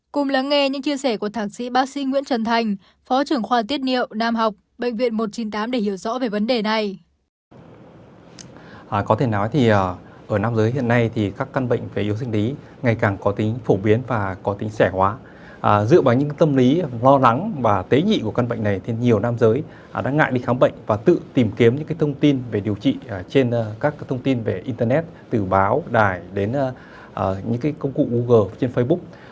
cùng lắng nghe những chia sẻ của thạc sĩ bác sĩ nguyễn trần thành phó trưởng khoa tiết niệu nam học bệnh viện một trăm chín mươi tám để hiểu rõ về vấn đề này